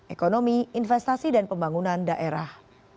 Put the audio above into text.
ekonomi investasi dan pembangunan daerah